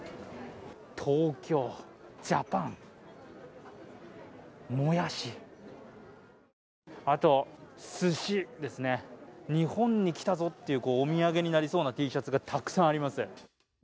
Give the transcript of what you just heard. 東京、ジャパン、もやしあと、すしですね、日本に来たぞというお土産になりそうなＴシャツがたくさんあります。